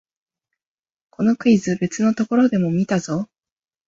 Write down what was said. このクイズ、別のところでも見たぞ